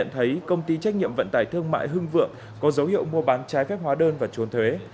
thấy công ty trách nhiệm vận tải thương mại hưng vượng có dấu hiệu mua bán trái phép hóa đơn và trốn thuế